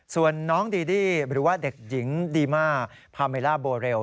ส่วนน้องดีดี้หรือว่าเด็กหญิงดีมาพาเมล่าโบเรล